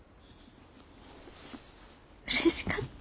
うれしかった。